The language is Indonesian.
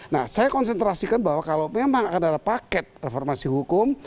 nah saya konsentrasikan bahwa kalau memang akan ada paket reformasi hukum